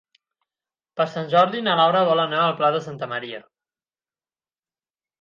Per Sant Jordi na Laura vol anar al Pla de Santa Maria.